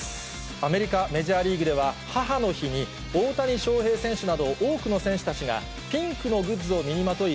アメリカメジャーリーグでは、母の日に、大谷翔平選手など多くの選手たちがピンクのグッズを身にまとい、